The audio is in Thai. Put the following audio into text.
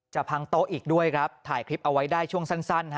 พังโต๊ะอีกด้วยครับถ่ายคลิปเอาไว้ได้ช่วงสั้น